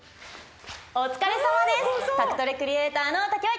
お疲れさまです。